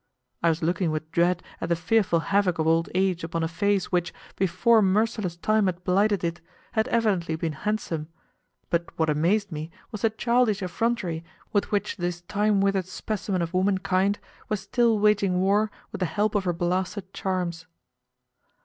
I was looking with dread at the fearful havoc of old age upon a face which, before merciless time had blighted it, had evidently been handsome, but what amazed me was the childish effrontery with which this time withered specimen of womankind was still waging war with the help of her blasted charms.